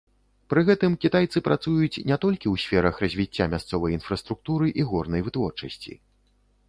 Пры гэтым кітайцы працуюць не толькі ў сферах развіцця мясцовай інфраструктуры і горнай вытворчасці.